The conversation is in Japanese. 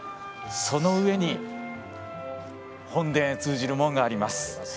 その上に、本殿へ通じる門があります。